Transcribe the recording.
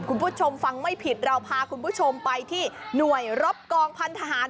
คุณผู้ชมฟังไม่ผิดเราพาคุณผู้ชมไปที่หน่วยรบกองพันธหาร